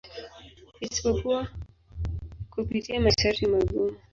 Isipokuwa kupitia masharti magumu.